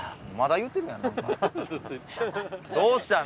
どうしたん？